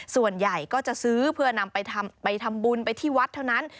ส่วนใหญ่ก็จะซื้อเพื่อนำไปทำบุญไปที่วัดเท่านั้น